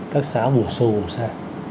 các xá vùng sâu vùng xa